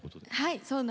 はい。